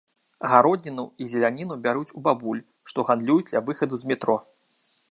Гародніну і зеляніну бяруць у бабуль, што гандлююць ля выхаду з метро.